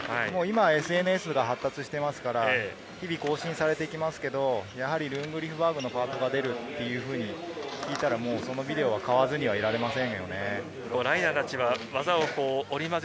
ＳＮＳが発達していますから、日々更新されていますけれど、グリフバーグのパートが出ると聞いたらそのビデオを買わずにはいられません。